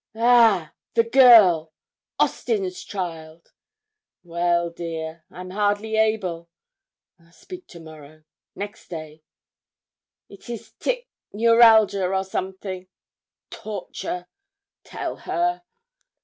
'Ah! the girl Austin's child. Well, dear, I'm hardly able I'll speak to morrow next day it is tic neuralgia, or something torture tell her.'